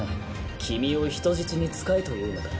君を人質に使えと言うのだな。